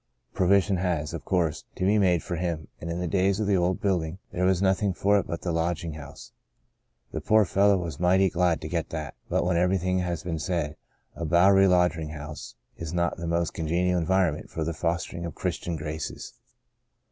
Provision has, of course, to be made for him, and in the days of the old building there was nothing for it but the lodging house. The poor fellow was mighty glad to get that, but when everything has been said, a Bowery lodging house is not the most congenial environment for the fostering of the Christian graces.